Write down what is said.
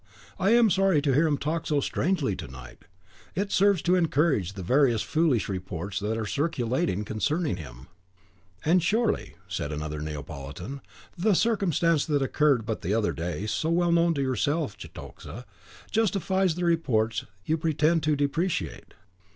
I am sorry to hear him talk so strangely to night; it serves to encourage the various foolish reports that are circulated concerning him." "And surely," said another Neapolitan, "the circumstance that occurred but the other day, so well known to yourself, Cetoxa, justifies the reports you pretend to deprecate."